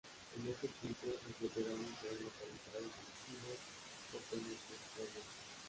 En ese tiempo, los veteranos eran localizados en asilos o penitenciarias.